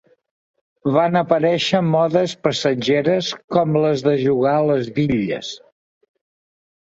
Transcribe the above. Van aparèixer modes passatgeres com les de jugar a les bitlles.